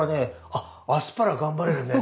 あ「アスパラ」頑張れるね！